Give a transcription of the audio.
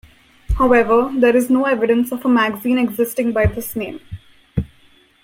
However, there is no evidence of a magazine existing by this name.